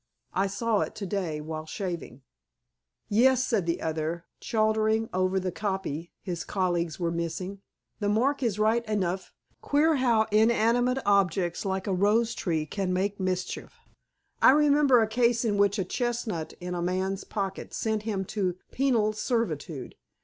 I saw it to day while shaving." "Yes," said the other, chortling over the "copy" his colleagues were missing. "The mark is there right enough. Queer how inanimate objects like a rose tree can make mischief. I remember a case in which a chestnut in a man's pocket sent him to penal servitude.